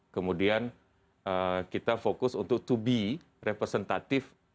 kemudian kita fokus untuk to be representative